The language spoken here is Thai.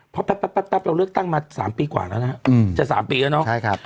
เพราะแป๊บเราเลือกตั้งมา๓ปีกว่าแล้วนะฮะจะ๓ปีแล้วเนาะ